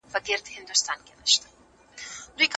حلاله سرمایه ترلاسه کړئ.